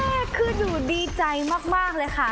แม่คือหนูดีใจมากเลยค่ะ